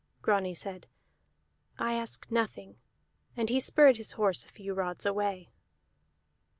Grani said, "I ask nothing." And he spurred his horse a few rods away.